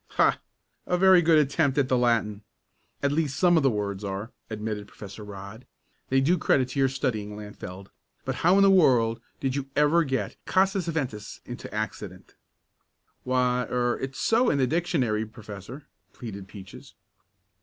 "Ha! A very good attempt at the Latin at least some of the words are," admitted Professor Rodd. "They do credit to your studying, Lantfeld, but how in the world did you ever get casus eventus into accident?" "Why er it's so in the dictionary, Professor," pleaded Peaches.